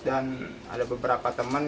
dan ada beberapa temen